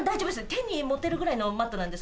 手に持てるぐらいのマットなんです。